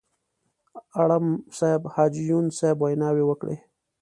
اړم صاحب، حاجي یون صاحب ویناوې وکړې.